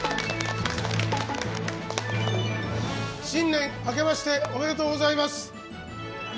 新年あけましておめでとうございます。